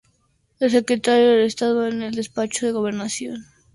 El Secretario de Estado en el Despacho de Gobernación, Salomón Ordoñez.